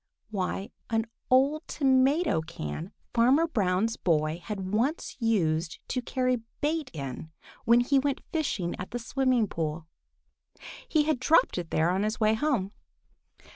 Why, an old tomato can Farmer Brown's boy had once used to carry bait in when he went fishing at the Smiling Pool. He had dropped it there on his way home.